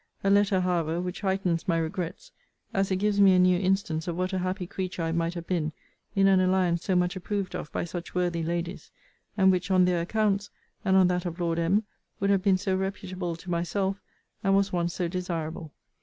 A letter, however, which heightens my regrets, as it gives me a new instance of what a happy creature I might have been in an alliance so much approved of by such worthy ladies; and which, on their accounts, and on that of Lord M. would have been so reputable to myself, and was once so desirable.